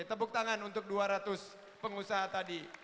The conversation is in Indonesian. tepuk tangan untuk dua ratus pengusaha tadi